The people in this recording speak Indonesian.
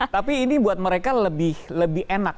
tapi ini buat mereka lebih enak